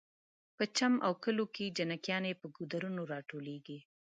په چم او کلیو کې جلکیانې په ګودرونو راټولیږي